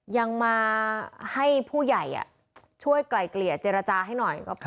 ยังมาให้ผู้ใหญ่ช่วยไกล่เกลี่ยเจรจาให้หน่อย